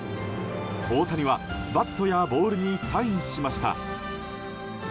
大谷はバットやボールにサインしました。